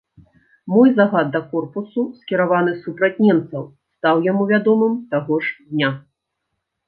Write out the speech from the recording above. Мой загад да корпусу, скіраваны супраць немцаў, стаў яму вядомым таго ж дня.